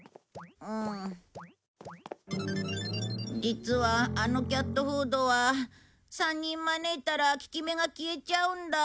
実はあのキャットフードは３人招いたら効き目が消えちゃうんだ。